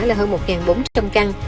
là hơn một bốn trăm linh căn